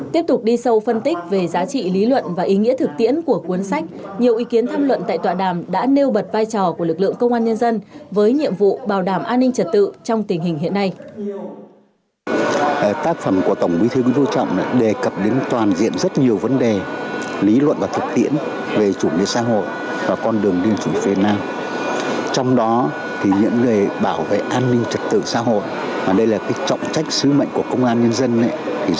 tiếp tục đi sâu phân tích về giá trị lý luận và ý nghĩa thực tiễn của cuốn sách nhiều ý kiến tham luận tại tòa đàm đã nêu bật vai trò của lực lượng công an nhân dân với nhiệm vụ bảo đảm an ninh trật tự trong tình hình hiện nay